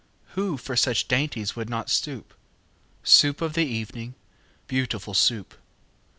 Who for such dainties would not stoop? Soup of the evening, beautiful Soup!